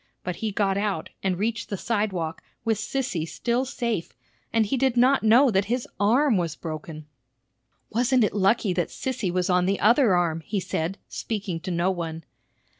But he got out, and reached the sidewalk, with Sissy still safe, and he did not know that his arm was broken. "Wasn't it lucky that Sissy was on the other arm?" he said, speaking to no one.